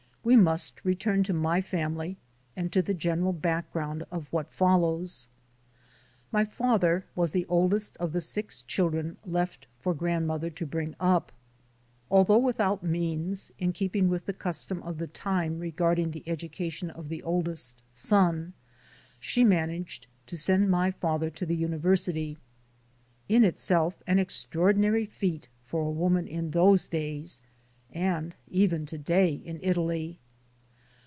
We must return to my family and to the general back ground of what follows. My father was the oldest of the six children left for grandmother to bring up. Although without means, in keeping with the custom of the time regarding the education of the oldest son, she managed to send my father to the University, in itself an extraordinary feat for a woman in those days, and even to day, in Italy.